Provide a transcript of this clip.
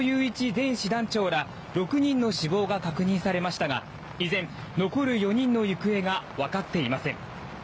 前師団長ら６人の死亡が確認されましたが依然、残る４人の行方が分かっていません。